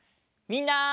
みんな！